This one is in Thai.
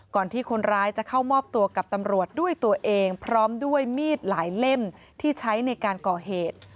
ที่คนร้ายจะเข้ามอบตัวกับตำรวจด้วยตัวเองพร้อมด้วยมีดหลายเล่มที่ใช้ในการก่อเหตุ